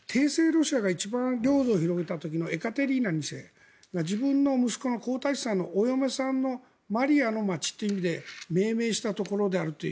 ロシアが一番領土を広げた時のエカテリーナ２世が自分の息子の皇太子さんのお嫁さんのマリアの街という意味で命名したところであると。